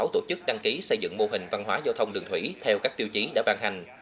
một trăm hai mươi sáu tổ chức đăng ký xây dựng mô hình văn hóa giao thông đường thủy theo các tiêu chí đã ban hành